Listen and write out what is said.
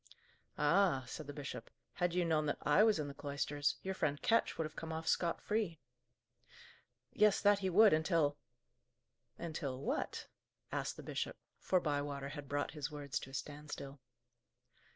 "Ah!" said the bishop, "had you known that I was in the cloisters, your friend Ketch would have come off scot free!" "Yes, that he would, until " "Until what?" asked the bishop, for Bywater had brought his words to a standstill.